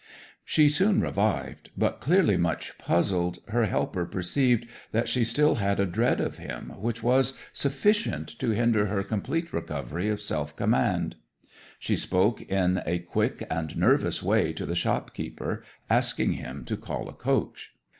'She soon revived; but, clearly much puzzled, her helper perceived that she still had a dread of him which was sufficient to hinder her complete recovery of self command. She spoke in a quick and nervous way to the shopkeeper, asking him to call a coach.